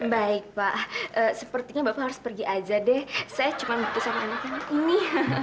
baik pak sepertinya bapak harus pergi aja deh saya cuma butuh sama anak anak ini